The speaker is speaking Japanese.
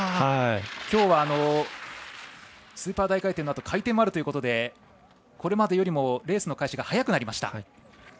きょうはスーパー大回転のあと回転もあるということでこれまでよりもレースの開始が早くなりました。